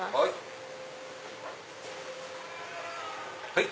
はい。